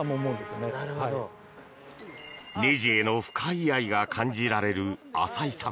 ねじへの深い愛が感じられる浅井さん。